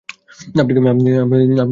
আপনি কি তাদের চিনতে পারবেন?